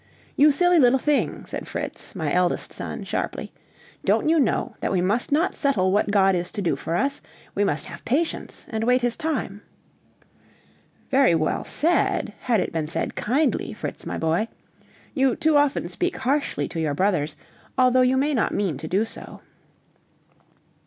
"You silly little thing," said Fritz, my eldest son, sharply, "don't you know that we must not settle what God is to do for us? We must have patience and wait his time." "Very well said, had it been said kindly, Fritz, my boy. You too often speak harshly to your brothers, although you may not mean to do so."